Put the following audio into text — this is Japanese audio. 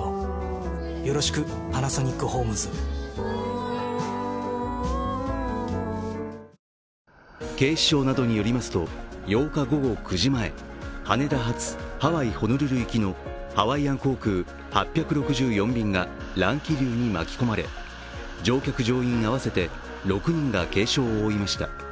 この会見には大先輩の澤穂希さんがサプライズ登場して警視庁などによりますと８日午後９時前、羽田発ハワイ・ホノルル行きのハワイアン航空８６４便が乱気流に巻き込まれ、乗客・乗員合わせて６人が軽傷を負いました。